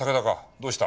どうした？